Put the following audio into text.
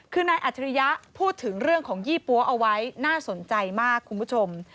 คือนายอัจฉริยะพูดถึงเรื่องของยี่ปั๊วเอาไว้น่าสนใจมากคุณผู้ชม